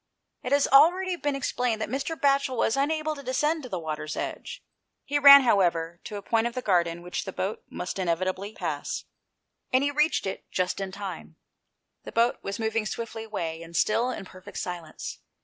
It has already been explained that Mr. Batchel was unable to descend to the water's edge. He ran, however, to a point of the garden which the boat must inevitably pass, and reached it 165 GHOST TALES. just in time. The boat was moving swiftly away, and still in perfect silence.